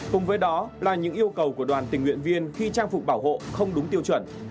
cùng với đó là những yêu cầu của đoàn tình nguyện viên khi trang phục bảo hộ không đúng tiêu chuẩn